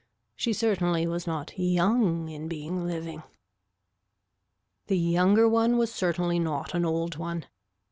She certainly was not young in being living. The younger one was certainly not an old one.